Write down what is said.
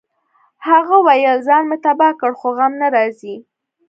هغه ویل ځان مې تباه کړ خو غم نه راځي